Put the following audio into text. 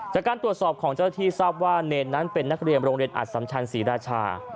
จากการตรวจสอบของเจ้าที่ทราบว่าเนรนั้นเป็นนักเรียนโรงเรียนอัดสัมชันศรีราชา